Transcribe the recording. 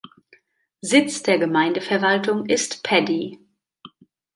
Sitz der Gemeindeverwaltung ist Peddie.